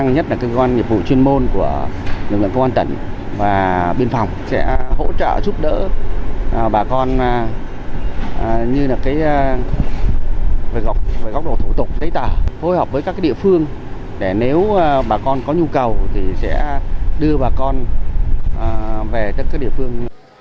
như là cái góc độ thủ tục tấy tả phối hợp với các địa phương để nếu bà con có nhu cầu thì sẽ đưa bà con về các địa phương